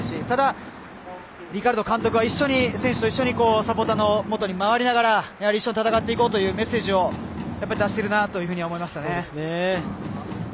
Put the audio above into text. ただリカルド監督は選手と一緒にサポーターのもとを回りながら一緒に戦っていこうというメッセージを出しているなと思いましたね。